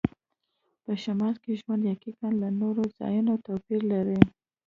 په شمال کې ژوند یقیناً له نورو ځایونو توپیر لري